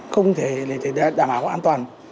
không thể đảm bảo an toàn